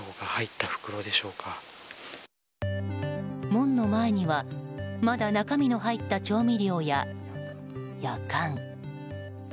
門の前にはまだ中身の入った調味料ややかん。